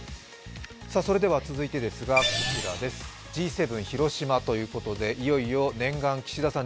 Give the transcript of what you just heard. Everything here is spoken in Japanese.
続いてはこちらです、Ｇ７広島ということで、いよいよ念願、岸田さん